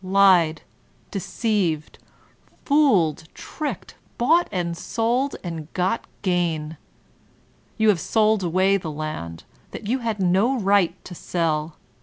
Lied, deceived, fooled, tricked, bought and sold and got gain! You have sold away the land, that you had no right to sell.